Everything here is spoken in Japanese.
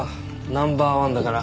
ナンバーワンだから。